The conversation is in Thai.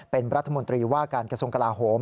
เป็นรัฐมนตรีว่าการกระทรวงกลาโหม